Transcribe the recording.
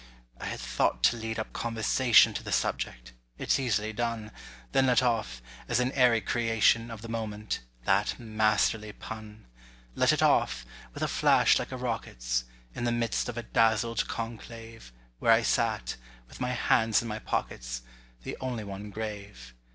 I had thought to lead up conversation To the subject—it's easily done— Then let off, as an airy creation Of the moment, that masterly pun. Let it off, with a flash like a rocket's; In the midst of a dazzled conclave, Where I sat, with my hands in my pockets, The only one grave.